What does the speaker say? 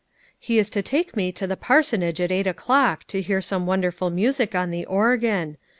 " He is to take me to the parsonage at eight o'clock to hear some wonderful music on the organ.